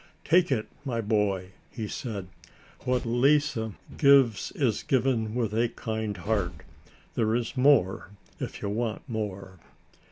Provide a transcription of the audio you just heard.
"Take it, my boy," he said. "What Lise gives is given with a kind heart. There is more if you want more."